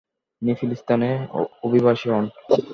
তিনি ফিলিস্তিনে অভিবাসী হন।